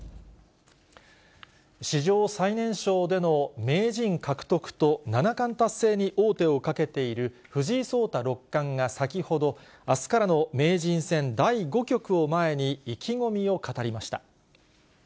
史上最年少での名人獲得と七冠達成に王手をかけている藤井聡太六冠が先ほど、あすからの名人戦第５局を前に意気込みを語りました。